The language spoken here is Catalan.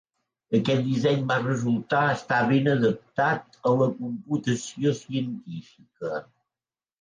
Aquest disseny va resultar estar ben adaptat a la computació científica.